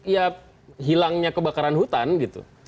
ya hilangnya kebakaran hutan gitu